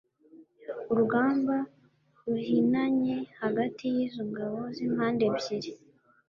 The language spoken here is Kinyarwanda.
Urugamba ruhinanye hagati yizo ngabo zimpande ebyiri